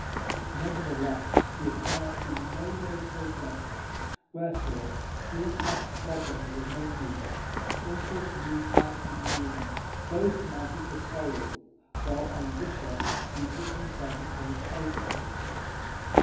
Nevertheless, the affair in no way progressed; wherefore, seeing that flogging was of no use, Uncles Mitai and Minai BOTH mounted the sorrel, while Andrusha seated himself upon the trace horse.